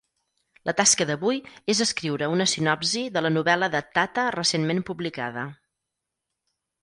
La tasca d'avui és escriure una sinopsi de la novel·la de Tata recentment publicada.